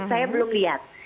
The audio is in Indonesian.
saya belum lihat